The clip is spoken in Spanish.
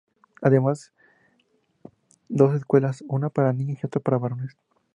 Había además dos escuelas, una para niñas y otra para varones.